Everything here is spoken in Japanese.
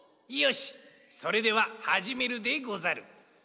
よしそれでははじめるでござる。